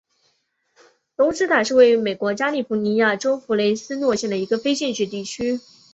隆斯塔是位于美国加利福尼亚州弗雷斯诺县的一个非建制地区。